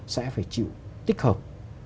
sẽ phải chịu tích hợp